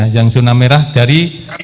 yang zona merah dari